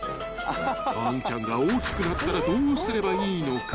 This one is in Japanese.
［アンちゃんが大きくなったらどうすればいいのか］